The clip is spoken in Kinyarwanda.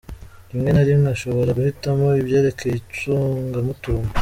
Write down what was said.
Rimwe na rimwe ashobora guhitamo ibyerekeye icungamutungo.